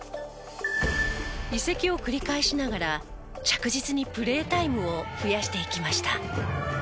移籍を繰り返しながら着実にプレータイムを増やしていきました。